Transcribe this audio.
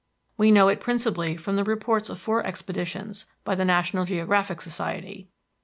We know it principally from the reports of four expeditions by the National Geographic Society.